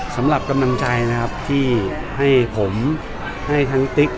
สำหรับกำลังใจนะครับที่ให้ผมให้ทั้งติ๊ก